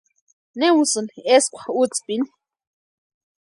¿Ne usïni eskwa útspini?